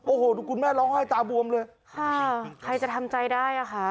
โอ้โหดูคุณแม่ร้องไห้ตาบวมเลยค่ะใครจะทำใจได้อ่ะค่ะ